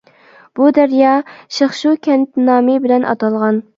بۇ دەريا شىخشۇ كەنت نامى بىلەن ئاتالغان.